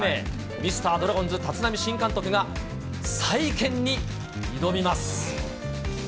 ミスタードラゴンズ、立浪新監督が再建に挑みます。